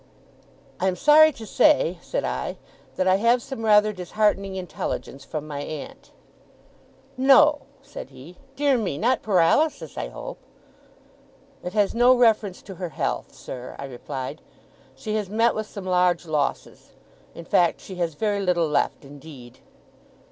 'I am sorry to say,' said I, 'that I have some rather disheartening intelligence from my aunt.' 'No!' said he. 'Dear me! Not paralysis, I hope?' 'It has no reference to her health, sir,' I replied. 'She has met with some large losses. In fact, she has very little left, indeed.